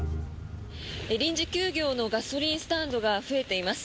臨時休業のガソリンスタンドが増えています。